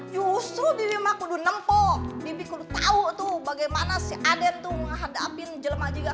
justru di lima kudu nempok dikutuk tahu tuh bagaimana si adem tuh menghadapi jelema juga